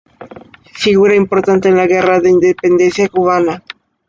Figura importante en la Guerra de Independencia cubana.